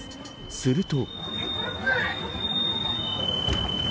すると。